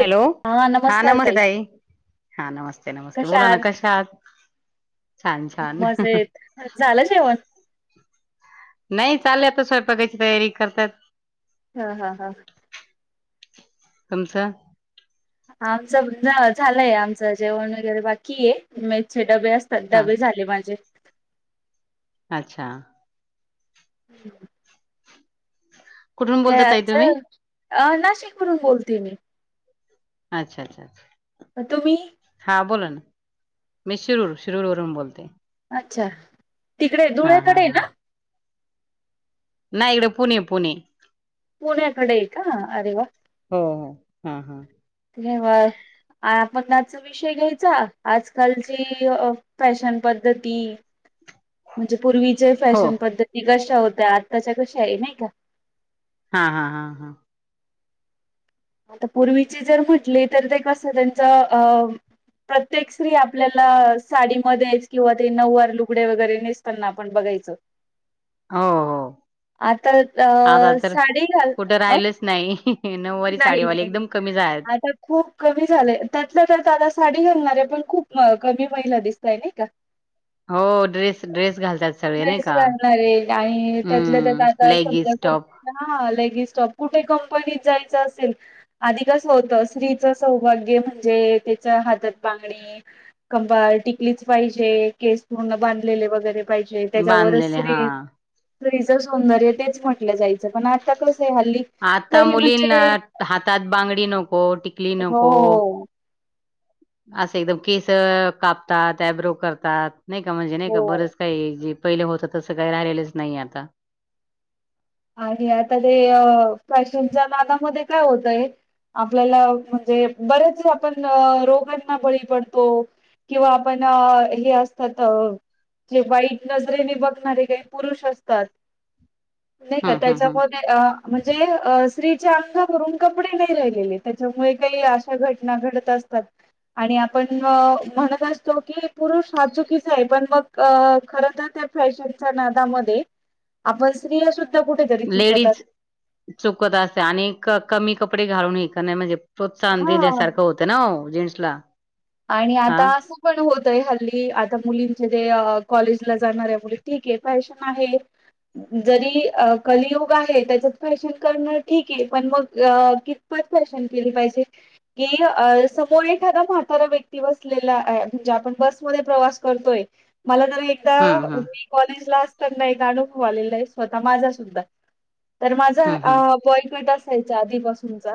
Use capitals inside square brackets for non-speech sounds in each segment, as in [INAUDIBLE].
Hello हा हा नमस्ते ताई. हा नमस कश्या आहात छान छान मजेत, झालं जेवण? नाही चालेलता स्वयंपाकाची तयारी करतात हा हा हा. तुमचं? आमचं झालंय आमचं जेवण वगैरे बाकी आहे म डबे असतात हा डबे झाले माझे अच्छा [UNINTELLIGIBLE] कुठून बोलता ताई [UNINTELLIGIBLE] तुम्ही अ नाशिक हुन बोलते मी अच्छा अच्छा अच्छा. तुम्ही? हा बोला ना मी शिरूर शिरूर वरून बोलते अच्छा तिकडे हा हा धुळ्याकडेय हा ना नाही इकडे पुणे पुणे पुण्याकडे आहे का अरे वा. हो हो हा हा. तेव्हा आपलाचं विषय घ्यायचा आजकालची फॅशन पद्धती म्हणजे पूर्वीचे हो फॅशन पद्धती कशी होत्या आत्ताच्या कशी आहे नाही का हा हा हा हा. आता पूर्वीची जर म्हटली तर ते कसं त्यांचं अ प्रत्येक स्त्री आपल्याला साडीमध्येच किंवा ते नववार लुगडे वगैरे नेसताना आपण बघायचो हो हो आता अ आता तर साडी घाल कुठं अ राहिलच नाही नऊवारी नाही साडीवाले नाही एकदम कमी झालेत आता खूप कमी झालंय त्यातलं त्यात त आता साडी घेऊन लाग. पण खूप कमी महिला दिसताय नाही का? हो ड्रेस ड्रेस घालतात सगळे नाही ड्रेस का घालणारे आणि त्यातल्या त्यात हम्म आता समजा लेगीस टॉप कुठ हां लेगिस टॉप कुठे क पण जाय [UNINTELLIGIBLE] असे आधी कस होत स्त्रीच सौभाग्य म्हणजे, तीच्या हातात बांगडी, कपाळी टिकलीच पाहिजे, केस पूर्ण बांधलेले वगैरे पाहिजे त्याच्यावरच बांधलेले हा स्त्री स्त्रीच सौंदर्य तेच म्हटलं जाईल. पण आता कस आहे हल्ली काही म्हणा [UNINTELLIGIBLE] हातात बांगडी नको टिक हो हो. असं एकदम केसं कापतात, ॲब्रो करतात. नाही का म्हणजे नाही का हो बरंच काही? पहिलं होतं तसं काही राहिलेलंच नाही आता. आणि आता ते फॅशनच्या नादामध्ये काय होतंय आपल्याला म्हणजे बरेच आपण रोगांना बळी पडतो किंवा आपण हे असतात जे वाईट नजरेने बघणारे काही पुरुष असतात नाही का हं हं हं त्याच्यामध्ये अ म्हणजे असं? स्त्रीच्या अंगावरून कपडे नाही राहिलेले, त्याच्यामुळे काही अशा घटना घडत असतात आणि आपण म्हणत असतो, की पुरुष हा चुकीचा आहे, पण मग खर तर त्या फॅशनच्या नादामध्ये आपण स्री असून लेडीज चुकत असते आणि कमी कपडे घालून य काय नाही म्हजे प्रोत्साहन हां. देण्यासारखं होतं ना ओ. जेंटसला आणि आता असू पण होत य हल्ली आता मुलींचे जे कॉलेजला जाणाऱ्या मुली ठीक आहेत. फॅशन आहे. जरी कलियुग आहे त्याच्यात फॅशन करणं ठीक आहे. पण मग कितपत फॅशन केली पाहिजे कि समोर एखादा म्हाता तारा व्यक्ती बसलेला आहे, म्हणजे आपण बसमध्ये प्रवास करतोय मला जरा एकदा हं हं मी कॉलेज ला अस ताना एक अणुभव आलेला आहे. स्वतः माझा सुद्धा तर माझा हं हं अ बॉय कट अस असायचा आधीपासूनचा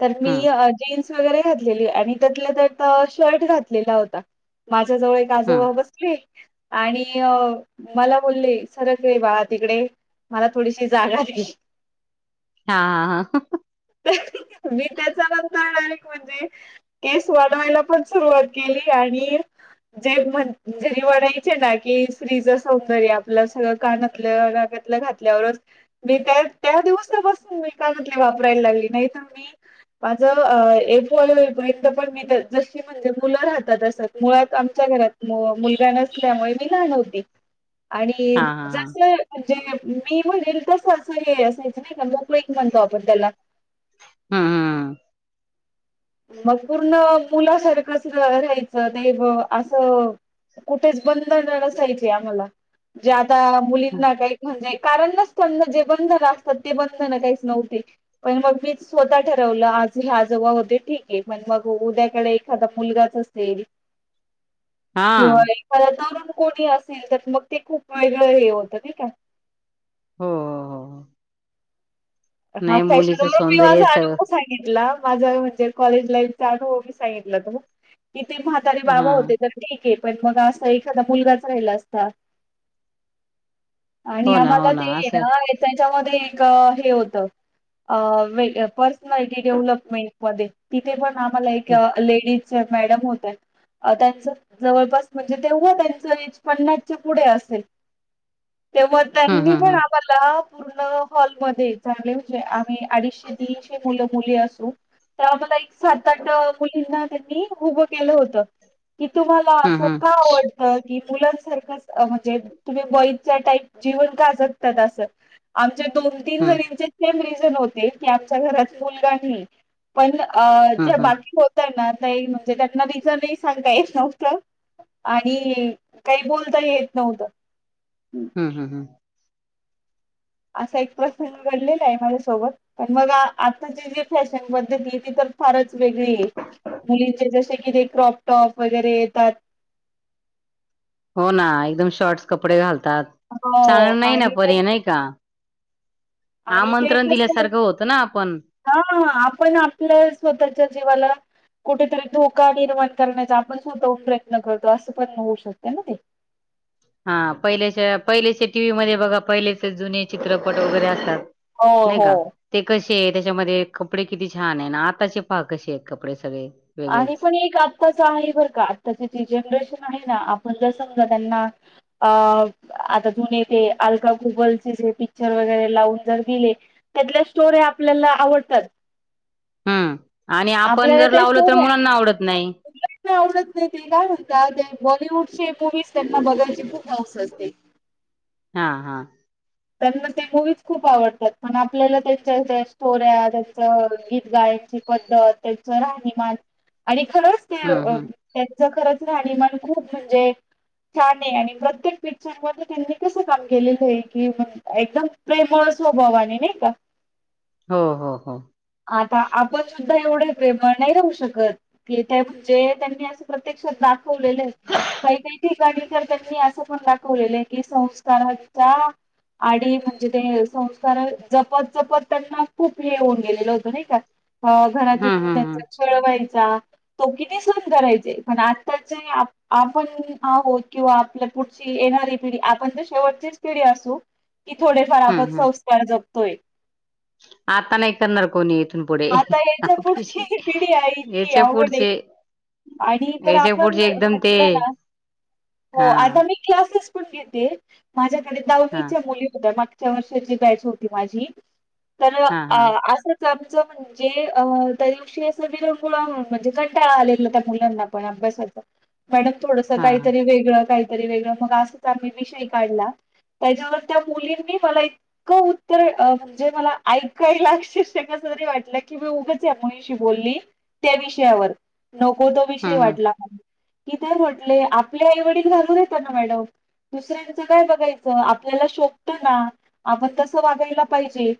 तर मी हं अ जीन्स स वगेरे घातलेली आणि त्यातल्या त्यात अ शर्ट घातलेला होता. माजा माझ्या जवळ एक हं आजोबा बसले. आणि अ मला बोलले सरक रे बाळ तिकडे मला थोडीशी जागा दिली. हा हा [INAUDIBLE] मी त्याच्या नंतर आले. म्हणजे? केस वाढवायला पण सुरुवात केली आणि जे म्हण जेंनी म्हणायचे ना कि स्त्रीच सौंदर्य आपलं सगळं कानातलं, नाकातलं घातल्यावरच मी त्या त्या दिवसापासून मी कानातले वापरायला लागली नाहीतर मी माझ अ एक वळ [UNINTELLIGIBLE] इथं पण मी जशी म्हणजे मुलं राहतात असत मुळात आमच्या घरात मु-मुलगा नसल्यामुळे मी लहान होती. आणि हा हा हा हा जस ए जे मी म्हणेल तस असं हे असायचं नाही का ग. क्विक म्हणतो आपण त्याला [INAUDIBLE] हं हं मग पूर्ण मुलासारखंच राहायचं तेव असं कुठेच बंधन नसायचे आम्हाला जे अता मुलींना काय म्हणजे कारण नसताना जे बंद झालं असतात ते बंद झाणं काहीच नव्हते. पण मग मीच स्वतः ठरवलं आज हे आज जवा होते. ठीक आहे मण मग उद्याकडे एखादा मुलगाच असेल हा त्यो [UNINTELLIGIBLE] कोणी असेल तर मग ते खूप वेगळं हे होत नाही का? हो हो. हा नाही फॅशन मुलीचं [UNINTELLIGIBLE] मी सौंदर्य माझा सगळं अनुभव सांगितला. माझ म्हणजे कॉलेज लाईफ [UNINTELLIGIBLE] सांगितलं होत मी तिथे म्हातारे बाबा हा होते थर्टी. ते पण मग अस एखादा मुलगाच राहिला असता. [INAUDIBLE] आणि हो ना हो आम्हाला ना ते ये असं ना येतान त्यामध्ये एक हे हो त अ वेग पर्स माहिती देऊन मग मी [UNINTELLIGIBLE] तिथे पण आमाला एक हम्म लेडीज त्यात मॅडम होत्यात अ त्यांच जवळपास म्हणजे तेव्हा त्यांच एज पनास च्या पुढ असेल. तेव्हा त्यांनी हम्म पण हम्म आम्हाला पूर्ण हॉलमध्ये चालेल की आम्ही अडीचशे, तीनशे मुलं-मुली असून त्या म लईच सात, आठ मुलींना त्यांनी उभं केलं होत. कि ती मला हम्म असं हम्म का आवडत्या कि. मुलं सारखं असता म्हणजे तुम्ही बॉईज चा टाई जीवंत असलं तस असलं. त्या दोन, तीन हम्म जनीं सेम रिझन होते की आमच्या घरात सुद्धा मुलगा नाही पण अ ज्या हम्म बाकी होत्या ना नाही म्हणजे त्यांना रिजनही सांगता येत नव्हत आणि काही बोलता ही येत नव्हत. ह ह ह. असा एक प्रसंग घडलेला आहे माझ्यासोबत पण मग आताची जी फॅशन पद्धती आहे ती तर फारच वेगळी आहे. मुलीचे जसे कि ते क्रॉपटॉप वगैरे येतात हो ना एकदम शॉर्टस कपडे घाल हो चांगलं नाही ना आणि ते पर्याय नाही का. आणि आमंत्रण दिल्यासारखं होतं ना आपण ह आपण आपल्या स्वतःच्या जीवाला कुठेतरी धोका निर्माण करण्याचा आपण स्वतः प्रयत्न करतो असं पण होऊ शकते ना ते. हा पहिलेच्या पहिलेच्या टीव्ही मध्ये बघा पहिलेचे जुने चित्रपट वगैरे असतात हो नाही हो. का ते कशी के त्याच्यामध्ये कपडे किती छान आहे ना आताचे पाक कसे आहेत कपडे सगळे आणि वेगळेच पण एक आत्ताच आहे बर का आत्ताची त जनरेशन आहे ना आपण जस त्यांना आता जु ते अल्का कुबलचे जे पिक्चर वगैरे लावून जर दिले त्यातल्या स्टोरी आपल्याला आवडतात हम्म आणि आपण आपल्याला जर त्या लावल तर स्टोऱ्या मुलांना आवडत नाही. मुलांना आवडत नाही ते काय म्हणता ते बॉलिवूडचे मूवीज त्यांना बघायची खूप हाऊस असते. हा हा. त्यांना ते मूवीज खूप आवडतात पण आपल्याला त्याच्या स्टोऱ्या, त्यांच गीत गायची पद्धत, त्यांच राहणीमान आणि ह. हम्म हम्म ज खरच राणीमन खूप म्हणजे छान आहे आणि प्रत्येक पिचरमध्ये त्यांनी कसं काम केलेलं आहे? कि एकदम प्रेमळ स्वभावाने नाही का. हो हो हो आता आपण एवढे प्रेम नाही राहू शकत, की ते म्हणजे त्यांनी अस प्रत्यक्षात ठवलेलं काही काही ठिकाणी तर त्यांनी असं पण दाखवलेलं आहे की संस्काराच्या आणि म्हणजे ते संस्कार जपत जपत त्यांना खूप हे होऊन गेलेलं होतं नाही का अ घरातून हम्म हम्म हम्म त्यांच खळवा्हायच तो किती सन करायचे, पण आताचे आपण आहोत किंवा आपल्या पुढची येणारी पिढी आपण तर शेवटचीच पिढी असु की थोडेफार हम्म आपत हम्म संस्कार ज होय. आता नाही करणार कोणी येत आता याच्या पुढची, पिढी आहे इतकी याच्या आवघडे पुढचे आणि तर याच्या आपण पुढचे एकदम ते म्हटलं ना हो हा आता मी क्लासेस घेते. माझ्या आणि, हा दहावीच्या मुली होतं ना च्या वर्षाची बॅच होती माझी तर हा अ हा असं च च म्हणजे, त्या दिवशी अस विरंगुळा म्हणजे कंटाळा आले त्या मुलांना पण अभ्यासाच. मॅडम थोडं हा काहीतरी वेगळं का वेग म अस चही विषय काढला, त्याच्यावर त्या मुलींनी मला इतकं उत्तर म्हणजे मला ऐकायला करी वाटलं की मी उगच या मुलीशी बोलली त्या विषयावर नको तो विषय हम्म वाटला म ती काय म्हटले आपले आईवडील घालून येत ना मॅडम दुसऱ्यांचं काय बघायचं आपल्याला शोभत का आपण तस वागायला पाहिजे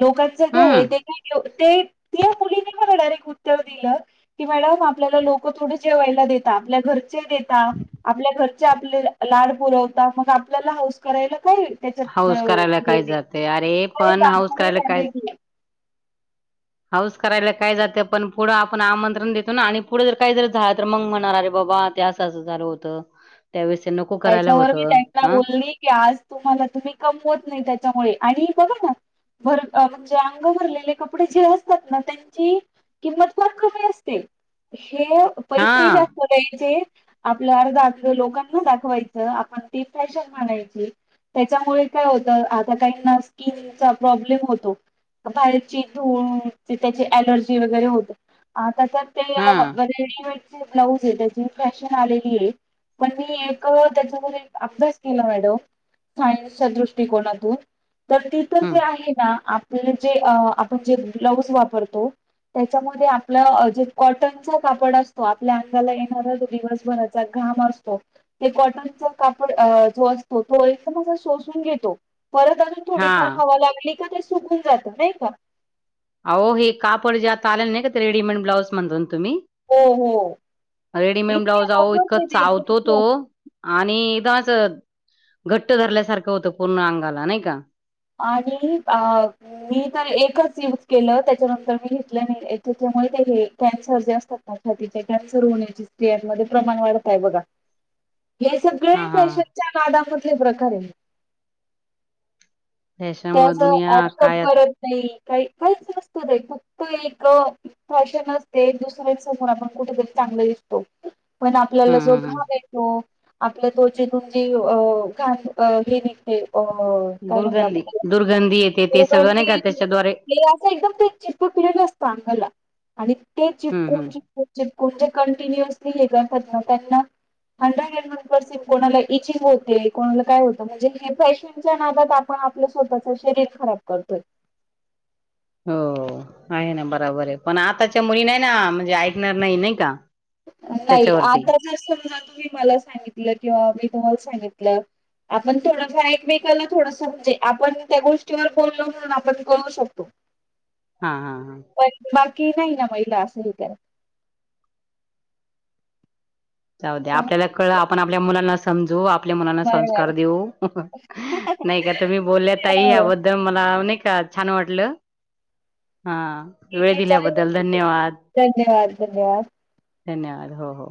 लोकांचं हम्म काय ते ते मुलीने बडरे उत्तर दिलं की मॅडम आपल्याला लोक थोड जेवायला देेतात आपल्या घर ते देता आपल्या घर चे लाड पुरव म आपल्या ह करायला काय त्याच्यात अ, हाऊस करायला हे काय नाही जाते अरे काय पण जात हाऊस नाही करायला काय डायरेक्ट हाऊस करायला काय जातं पण पुढं आपण आमंत्रण देतो ना आणि पुढं जर काही जर झालं तर मग म्हणणार अरे बाबा ते असं असं झालं होतं त्यावेळेस ते नको करायला त्याच्यावर मी होतं त्यांना अ बोलली की आज तुम्हाला तुम्ही कमवत नाही त्याच्यामुळे आणि बघा ना भर म्हणजे अंग भरलेले कपडे जे असतात ना त्यांची किंमत फार कमी असते ते हा पैसेही जास्त द्यायचे आपलं अर्ध अंग लोकांना दाखवाय वायच आप ते फशन म्हय त्याच्यामुळे काय होत आता काही स्किनचा प्रॉब्लेम होतो बाहेरची धूळ त्याची अलर्जी वगैरे होते आत तसच ते हा रेडीमेड ब्लाउज आहे त्याची फॅशन आलेली आहे पण मी त्याच्यावर अभ्यास केला मॅडम सायन्सच्या दृष्टिकोनातून तर तिथं हम्म जे आहे ना आ आप जे आपण जे ब्लाऊज वापरतो त्याच्यामध्ये आपलं जे कॉटनचा कापड असतो आपल्या अंगाला येणारा जो दिवसभराचा घाम असतो ते कॉटनचा कापड जो असतो तो एकदम असा शोसून घेतो परत अजून हा थोडीफार हवा लागली का सुकून जात नाही का अहो हे कापड ज्या आत आले नाही का ते रेडीमेड ब्लाउज म्हणतन तुम्ही हो हो रेडीमेड इतके ब्लाऊज अहो बोगस इतकं आहे ते चावतो तो एकदम आ आणि एकदमच घट्ट धरल्यासारखं होतं पूर्ण अंगाला नाही का आणि अ मी तर एकच यूज केलं त्याच्यानंतर मी घेतलं नाही त्याच्यामुळे ते हे कॅन्सर जे असतात ना छातचे कॅन्सर होण्याचे से मध्ये प्रमाण वाढत आहे बघा हे सगळे हा हा फॅशनच्या नादामध्ये प्रकारे. त्याच्यामुळे त्याच दुनिया [UNINTELLIGIBLE] काय आता. करत नाही. काही काहीच नसत का फक्त एक फॅशन असते, दुसऱ्यां समोर आपण कुठेतरी चांगलं दिसतो. पण आपल्याला हम्म जो हम्म घाव हम्म येतो आपल्या त्वचेतून जे अ घाम हे निघते अ काय म्हण दुर्गंधी दुर्गंधी येते ते सगळं नाही का त्याच्याद्वारे ते असं एकदम ते चितप पिलेलं असत आंगाला आणि ते हम्म चिपकून हम्म चिपकून चिपकून जे कंटिन्यूअरस [UNINTELLIGIBLE] हंड्रेड अँड वन परसेंट कोणाला इचींग होते कोणाला काय होतं म्हणजे हे फॅशनच्या नादात आप आपण आपलं स्वतःच शरीर खराब करतो. हो आहे ना बराबर आहे,. पण आताच्या मुली नाही ना म्हणजे ऐकणार नाही नाही का नाही त्याच्यावरती आता जर समजा तुम्ही मला सांगितलं किंवा, सांगितलं आपण थोडस एकमेकाला थोडस म्हणजे आपण त्या गोष्टीवर बोललो म्हणून आपण कळू शकतो हा हा हा की नाही ना महिला असंही करल जाऊ द्या आपल्याला कळलं आपण आपल्या मुलांना समजो आप आपल्या मनाला बरोबर संस्कार देऊ, नाही का तुम्ही बोलल्या ताई हो, याबद्दल मला नाही. का छान वाटलं. हा ठीक वेळ आहे दिल्याबद्दल चालेल, धन्यवाद धन्यवाद धन्यवाद धन्यवाद हो हो